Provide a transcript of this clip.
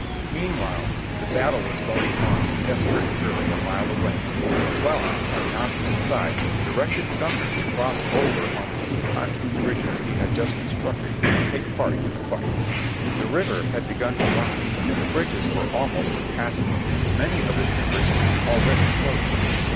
Meanwhile the battle was going on with desperate fury a mile away, and McClellan, on the opposite side, directed Sumner to cross over on the two pontoon bridges he had just constructed, and take part in the fight. The river had begun to rise and the bridges were almost impassable, many of the timbers being already floating.